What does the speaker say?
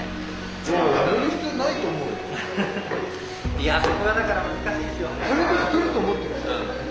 いやそこがだから難しいんですよ。